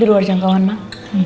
di luar jangkauan mak